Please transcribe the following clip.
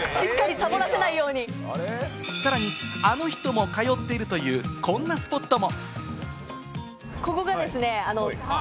さらにあの人も通っているという、こんなスポットも。